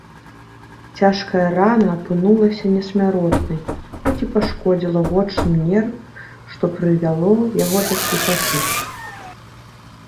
Цяжкая рана апынулася несмяротнай, хоць і пашкодзіла вочны нерв, што прывяло яго да слепаты.